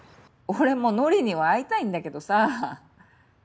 俺ものりには会いたいんだけどさ。